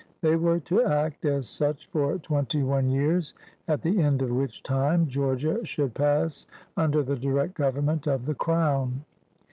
They were to act as such for twenty one years, at the end of which time Georgia should pass under the direct government of the Crown.